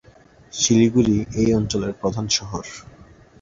শিলিগুড়ি এই অঞ্চলের প্রধান শহর।